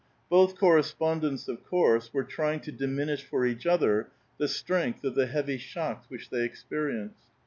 Both correspond ents of course were trying to diminish for each other the strength of the heavy shocks which they experienced.